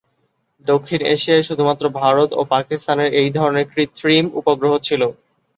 দক্ষিণ এশিয়ায় শুধুমাত্র ভারত ও পাকিস্তানের এই ধরনের কৃত্রিম উপগ্রহ ছিলো।